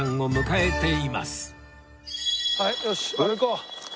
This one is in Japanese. はいよし歩こう。